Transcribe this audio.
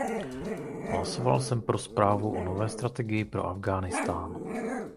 Hlasoval jsem pro zprávu o nové strategii pro Afghánistán.